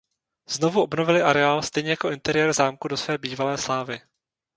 Znovu obnovili areál stejně jako interiér zámku do své bývalé slávy.